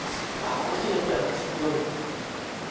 コーヒー飲みたいなぁ食後に。